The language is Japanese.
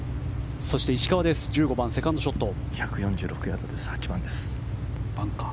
そして石川、１５番セカンドショット。